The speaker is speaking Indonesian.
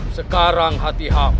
sekarang hati hamba